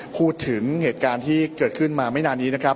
พูดถึงเหตุการณ์ที่เกิดขึ้นมาไม่นานนี้นะครับ